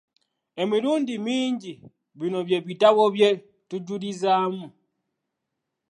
Emilundi mingi bino bye bitabo bye tujulizaamu.